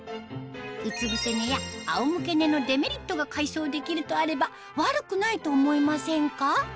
うつ伏せ寝や仰向け寝のデメリットが解消できるとあれば悪くないと思いませんか？